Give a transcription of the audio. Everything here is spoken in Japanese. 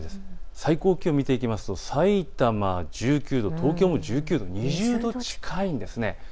最高気温を見ていくとさいたま１９度、東京も１９度、２０度近いんです。